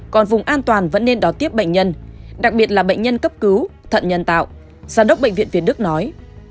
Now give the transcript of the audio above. còn vùng an toàn vẫn nên đón tiếp bệnh nhân đặc biệt là bệnh nhân cấp cứu thận nhân tạo giám đốc bệnh viện việt đức nói